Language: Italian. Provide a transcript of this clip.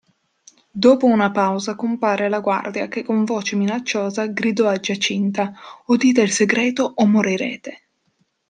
Dopo una pausa compare la guardia che con voce minacciosa gridò a Giacinta: "O dite il segreto o morirete!".